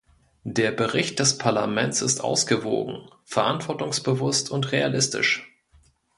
Der Bericht des Parlaments ist ausgewogen, verantwortungsbewusst und realistisch.